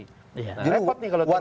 nah repot nih kalau terus terus